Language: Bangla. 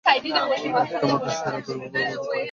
একটা মধ্য-শিরা দৈর্ঘ্য বরাবর পাতাকে দুই ভাগে ভাগ করেছে।